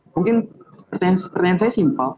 mungkin pertanyaan saya simpel